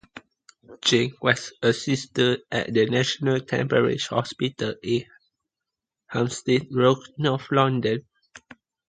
Jane was a Sister at the National Temperance Hospital in Hampstead Road, north London.